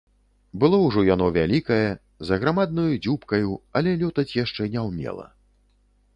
Было ўжо яно вялікае, з аграмаднаю дзюбкаю, але лётаць яшчэ не ўмела.